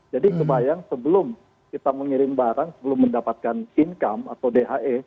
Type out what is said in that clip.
jadi kebayang sebelum kita mengirim barang sebelum mendapatkan income atau dhe